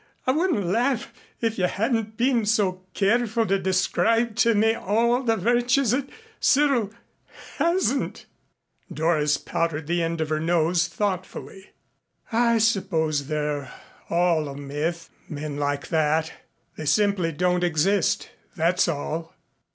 I wouldn't laugh if you hadn't been so careful to describe to me all the virtues that Cyril hasn't." Doris powdered the end of her nose thoughtfully. "I suppose they're all a myth men like that. They simply don't exist that's all."